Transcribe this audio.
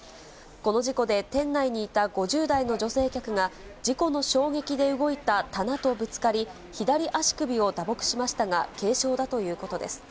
この事故で、店内にいた５０代の女性客が、事故の衝撃で動いた棚とぶつかり、左足首を打撲しましたが、軽傷だということです。